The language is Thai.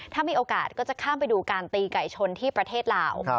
ถ้ามีโอกาสก็จะข้ามไปดูการตีไก่ชนที่ประเทศลาว